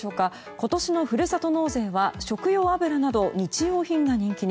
今年のふるさと納税は食用油など日用品が人気に。